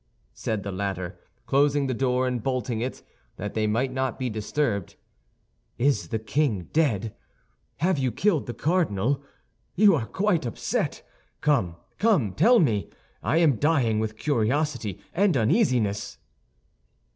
said the latter, closing the door and bolting it, that they might not be disturbed. "Is the king dead? Have you killed the cardinal? You are quite upset! Come, come, tell me; I am dying with curiosity and uneasiness!"